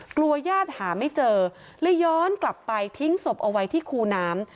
ญาติหาไม่เจอเลยย้อนกลับไปทิ้งศพเอาไว้ที่คูน้ำ